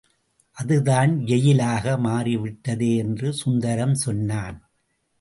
அது தான் ஜெயிலாக மாறிவிட்டதே என்று சுந்தரம் சொன்னான்.